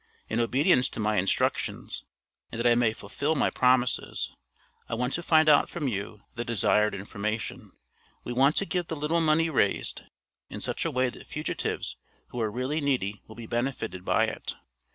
In obedience to my instructions, and that I may fulfill my promises, I want to find out from you the desired information. We want to give the little money raised, in such a way that fugitives who are really needy will be benefited by it.